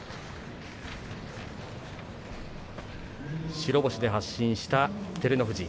白星で発進した照ノ富士。